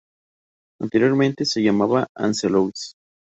Anteriormente se llamaba Anse Louis.